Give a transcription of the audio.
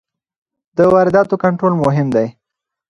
د وارداتو کنټرول مهم دی.